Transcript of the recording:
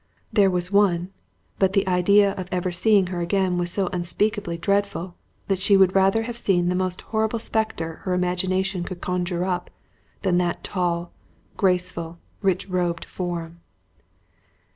There was one, but the idea of ever seeing her again was so unspeakably dreadful, that she would rather have seen the most horrible spectre her imagination could conjure up, than that tall, graceful, rich robed form.